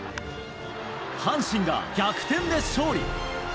阪神が逆転で勝利。